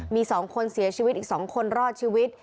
มี๒คนเสียชีวิตอีก๒คนรอดชีวิต